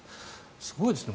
すごいですね。